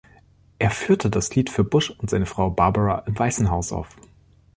Er führte das Lied für Bush und seine Frau Barbara im Weißen Haus auf.